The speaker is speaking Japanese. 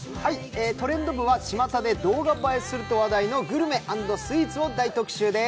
トレンド部は、ちまたで動画映えすると話題のグルメ＆スイーツを大特集です。